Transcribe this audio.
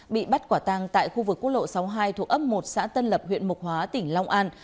bị bắt quả tang tại khu vực quốc lộ sáu mươi hai thuộc ấp một xã tân lập huyện mục hóa tỉnh long an